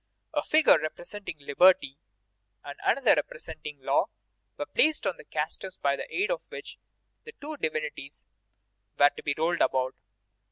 A figure representing Liberty, and another representing Law, were placed on casters by the aid of which the two divinities were to be rolled about.